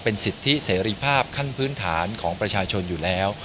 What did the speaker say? เป็นสิทธิเสรีภาพขั้นพื้นฐานของประชาชนอยู่แล้ว